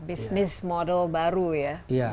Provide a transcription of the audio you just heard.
business model baru ya